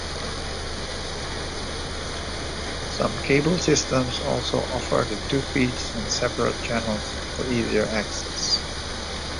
Some cable systems also offer the two feeds on separate channels for easier access.